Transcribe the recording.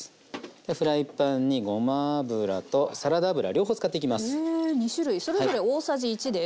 フライパンにごま油とサラダ油両方使っていきます。